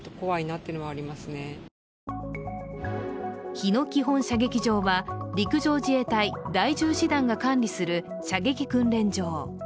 日野基本射撃場は陸上自衛隊第１０師団が管理する射撃訓練場。